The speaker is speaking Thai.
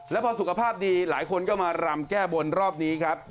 แล้วพอสุขภาพดีหลายคนก็มารำแก้บนรอบนี้ครับ